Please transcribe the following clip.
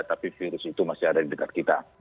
tapi virus itu masih ada di dekat kita